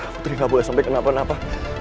putri gak boleh sampai kenapa napa